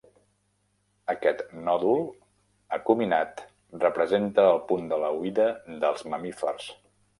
Aquest nòdul acuminat representa el punt de la oïda dels mamífers.